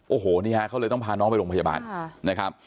โอ้โหนี่ฮะเขาเลยต้องพาน้องไปโรงพยาบาลนะครับ